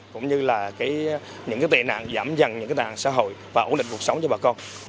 cũng như là những tệ nạn giảm dần những nạn xã hội và ổn định cuộc sống cho bà con